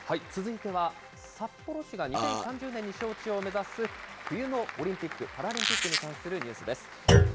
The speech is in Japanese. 続いては、札幌市が２０３０年に招致を目指す冬のオリンピック・パラリンピックに関するニュースです。